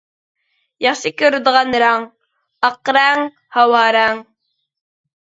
ياخشى كۆرىدىغان رەڭ : ئاق رەڭ، ھاۋا رەڭ.